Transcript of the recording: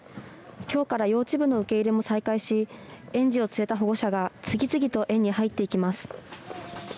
きょうから幼稚部の受け入れも再開し園児を連れた保護者が次々と園に入ってきます。